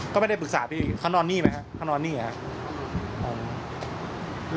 ก็ไม่ได้ปรึกษาพี่เค้านอนนี่ไหมฮะเค้านอนนี่ไงฮะ